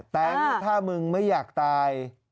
แต่ถ้ามึงไม่อยากตาย